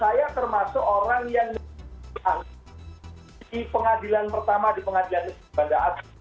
saya termasuk orang yang dianggap di pengadilan pertama di pengadilan bandar atas